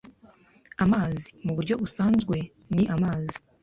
Amazi, muburyo busanzwe, ni amazi.